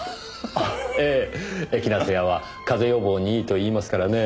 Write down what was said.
ええエキナセアは風邪予防にいいと言いますからねぇ。